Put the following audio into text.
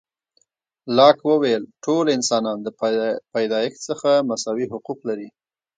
لاک وویل، ټول انسانان د پیدایښت څخه مساوي حقوق لري.